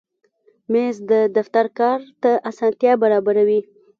مېز د دفتر کار ته اسانتیا برابروي.